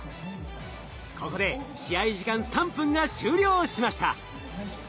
ここで試合時間３分が終了しました。